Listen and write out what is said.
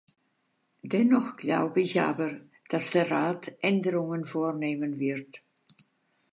Dennoch glaube ich aber, dass der Rat Änderungen vornehmen wird.